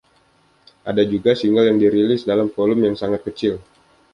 Ada juga single yang dirilis dalam volume yang sangat kecil.